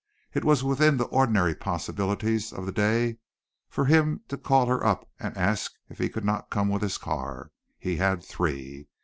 It was within the ordinary possibilities of the day for him to call her up and ask if he could not come with his car. He had three.